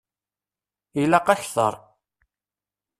Ilaq akter.